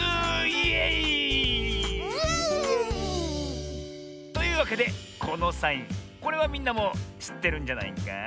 イエイー！というわけでこのサインこれはみんなもしってるんじゃないか？